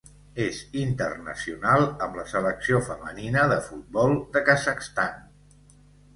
És internacional amb la Selecció femenina de futbol de Kazakhstan.